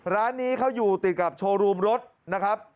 ร้านนี้เขาอยู่ติดกับโชว์รูมรถนะครับ